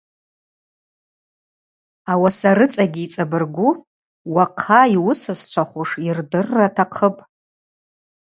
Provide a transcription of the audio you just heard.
Ауаса рыцӏагьи йцӏабыргу уахъа йуысасчвахуш йырдырра атахъыпӏ.